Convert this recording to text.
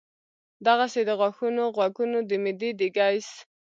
دغسې د غاښونو ، غوږونو ، د معدې د ګېس ،